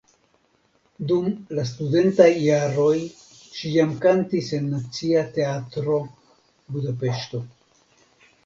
Dum la studentaj jaroj ŝi jam kantis en Nacia Teatro (Budapeŝto).